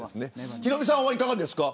ヒロミさんはいかがですか。